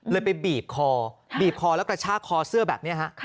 เลยไปบีบคอแล้วก็ชากคอเสื้อแบบนี้